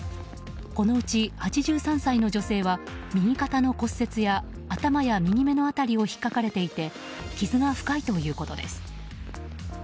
このうち８３歳の女性は右肩の骨折や頭や右の辺りを引っかかれていて傷が深いということです。